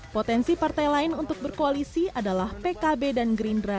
potensi partai lain untuk berkoalisi adalah pkb dan gerindra